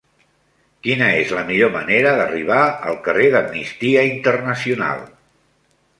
Quina és la millor manera d'arribar al carrer d'Amnistia Internacional?